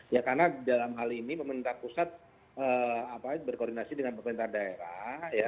ya karena dalam hal ini pemerintah pusat berkoordinasi dengan pemerintah daerah